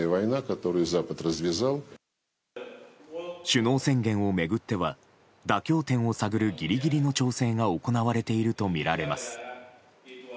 首脳宣言を巡っては妥協点を探るギリギリの調整が行われているとみられます。